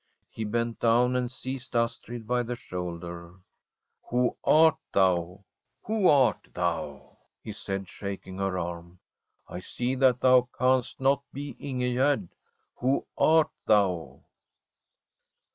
He bent down and seized Astrid by the shoulder. ' Who are thou ? who art thou ?' he said, shak ing her arm. ' I see that thou canst not be In gegerd. Who art thou